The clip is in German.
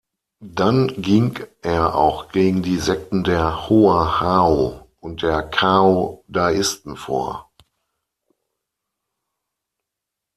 Dann ging er auch gegen die Sekten der Hoa Hao und der Cao-Daisten vor.